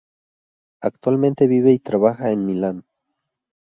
Actualmente vive y trabaja en Milán.